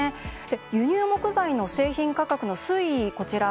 輸入木材の製品価格の推移